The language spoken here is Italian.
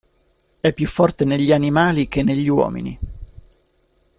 È più forte negli animali che negli uomini.